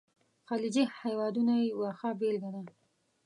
خلیجي هیوادونه یې یوه ښه بېلګه ده.